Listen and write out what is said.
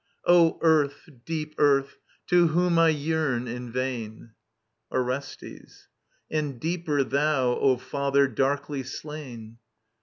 Earth, deep Earth, to whom I yearn in vain, Orbstbs. And deeper thou, O fiither darkly slain.